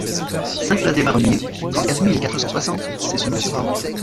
cinq place des Marroniers, trente-quatre mille quatre cent soixante Cessenon-sur-Orb